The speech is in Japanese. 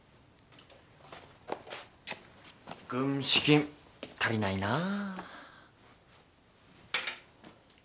軍資金足りないなぁ。